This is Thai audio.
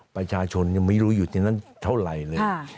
ประชาชนยังไม่รู้อยู่ที่นั้นเท่าไหร่เลย